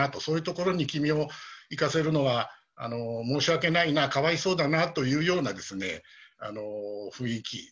そういうところに君を行かせるのは申し訳ないなかわいそうだなというようなですね雰囲気。